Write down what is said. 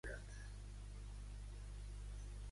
Però, quina incògnita hi ha sobre el seu regrés?